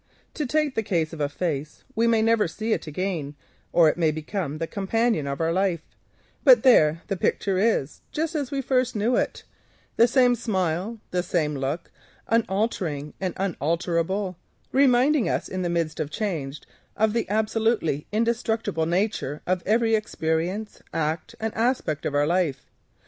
To take the instance of a face—we may never see it again, or it may become the companion of our life, but there the picture is just as we first knew it, the same smile or frown, the same look, unvarying and unvariable, reminding us in the midst of change of the indestructible nature of every experience, act, and aspect of our days.